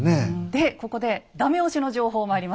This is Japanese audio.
でここでダメ押しの情報があります。